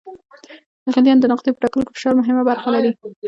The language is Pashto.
د غلیان د نقطې په ټاکلو کې فشار مهمه برخه لري.